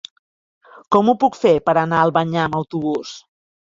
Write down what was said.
Com ho puc fer per anar a Albanyà amb autobús?